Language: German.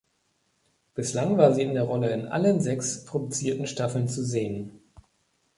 Bislang war sie in der Rolle in allen sechs produzierten Staffeln zu sehen.